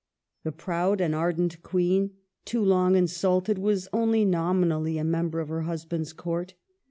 The proud and ardent Queen, too long insulted, was only nominally a member of her husband's Court.